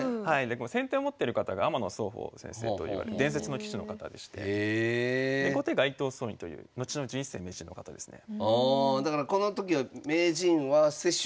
先手を持ってる方が天野宗歩先生という伝説の棋士の方でして後手が伊藤宗印というのちの十一世名人の方ですね。